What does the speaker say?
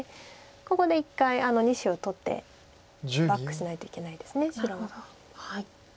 ここで一回あの２子を取ってバックしないといけないです白。